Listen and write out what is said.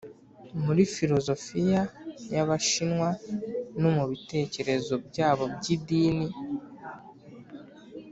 muri filozofiya y’abashinwa no mu bitekerezo byabo by’idini.